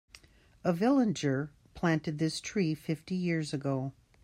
A villager planted this tree fifty years ago.